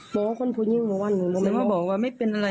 หม๊อคนพูดยิ่งของมาแล้วยังว่าบอกว่าไม่เป็นอะไร